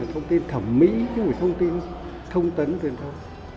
thông tin thẩm mỹ chứ không phải thông tin thông tấn tuyển thông